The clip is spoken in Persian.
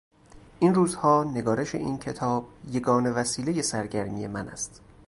این روزها نگارش این کتاب یگانه وسیلهی سرگرمی من است.